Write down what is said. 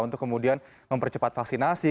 untuk kemudian mempercepat vaksinasi